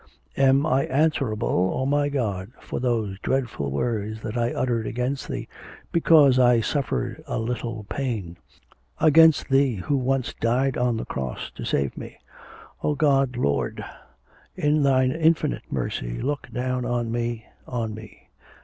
Am I answerable, O my God, for those dreadful words that I uttered against Thee, because I suffered a little pain, against Thee who once died on the cross to save me! O God, Lord, in Thine infinite mercy look down on me, on me!